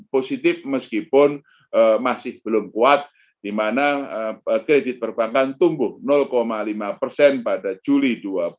positif meskipun masih belum kuat di mana kredit perbankan tumbuh lima persen pada juli dua ribu dua puluh